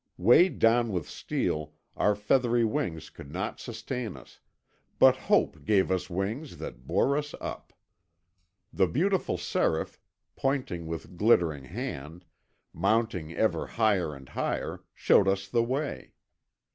Weighed down with steel, our feathery wings could not sustain us, but hope gave us wings that bore us up. The beautiful Seraph, pointing with glittering hand, mounting ever higher and higher, showed us the way.